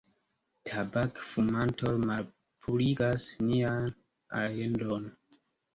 Tabak-fumantoj malpurigas nian aeron.